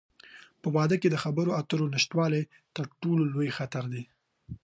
په واده کې د خبرو اترو نشتوالی، تر ټولو لوی خطر دی.